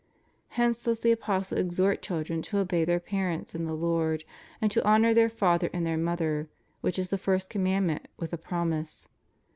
Hence does the Apostle exhort children to obey their parents in the Lord, and to honor their father and their mother, which is the first commandment with a promise?